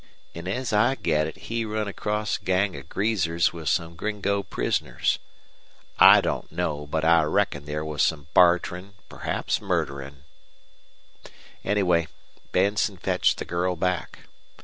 An' as I get it he run across a gang of greasers with some gringo prisoners. I don't know, but I reckon there was some barterin', perhaps murderin'. Anyway, Benson fetched the girl back.